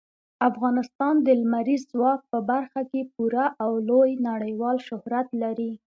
افغانستان د لمریز ځواک په برخه کې پوره او لوی نړیوال شهرت لري.